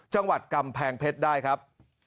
จังหวัดกำแพงเพชรได้ครับ